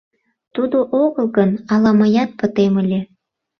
Тудо огыл гын, ала мыят пытем ыле.